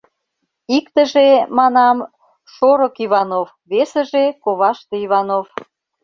Иктыже, манам, шорык Иванов, весыже — коваште Иванов.